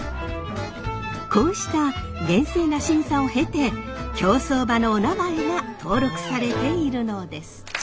こうした厳正な審査を経て競走馬のおなまえが登録されているのです。